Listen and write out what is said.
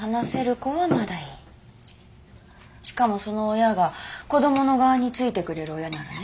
しかもその親が子供の側についてくれる親ならね。